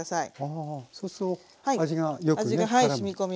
あそうすると味がよくねからむ。